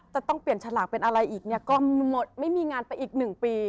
จะต้องเปลี่ยนฉลากเป็นอะไรอีกเนี่ยก็หมดไม่มีงานไปอีก๑ปี